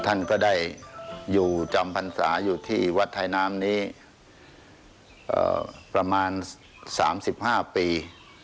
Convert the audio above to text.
ท่านก็ได้อยู่จำพรรษาอยู่ที่วัดไทยน้ำนี้ประมาณ๓๕ปี